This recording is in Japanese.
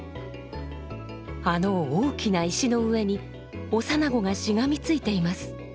あの大きな石の上に幼子がしがみついています。